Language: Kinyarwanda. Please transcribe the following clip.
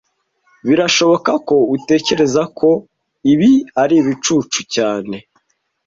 Birashoboka ko utekereza ko ibi ari ibicucu cyane